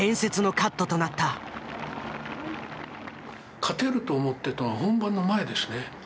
勝てると思ってたのは本番の前ですね。